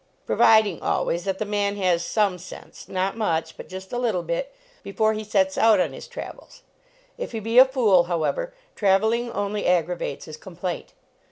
Providing, always, that the man has some sense, not much, but just a little bit, before he sets out on his trav els. If he be a fool, however, traveling only aggravates his complaint.